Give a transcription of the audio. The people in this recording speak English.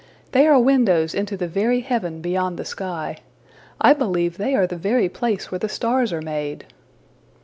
They are windows into the very heaven beyond the sky. I believe they are the very place where the stars are made.''